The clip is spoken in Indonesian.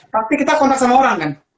tapi kita kontak sama orang kan